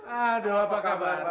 aduh apa kabar pak